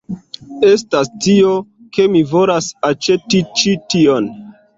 estas tio, ke mi volas aĉeti ĉi tion.